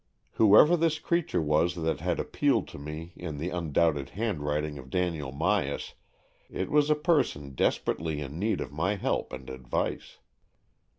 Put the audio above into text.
Whoever this creature was that had appealed to me in the undoubted handwriting of Daniel Myas, it was a person desperately in need of my help and advice.